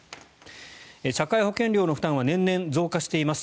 社会保険料の負担は年々増加しています。